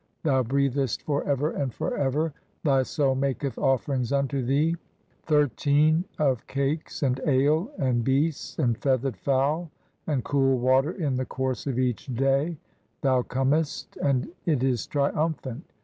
Thou breathest for "ever and for ever, thy soul maketh offerings unto "thee (i3) of cakes, and ale, and beasts, and feathered "fowl, and cool water in the course of each day; "thou comest, and it is triumphant.